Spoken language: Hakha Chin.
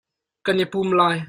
Kan i pum lai.